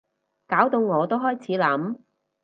搞到我都開始諗